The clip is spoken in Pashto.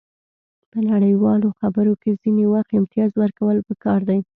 په نړیوالو خبرو کې ځینې وخت امتیاز ورکول پکار دي